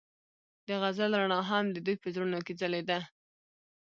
د غزل رڼا هم د دوی په زړونو کې ځلېده.